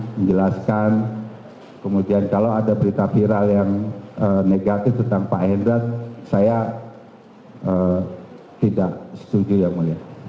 menjelaskan kemudian kalau ada berita viral yang negatif tentang pak hendra saya tidak setuju yang mulia